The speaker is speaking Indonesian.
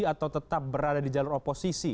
atau tetap berada di jalur oposisi